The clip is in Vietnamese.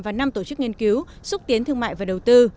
và năm tổ chức nghiên cứu xúc tiến thương mại và đầu tư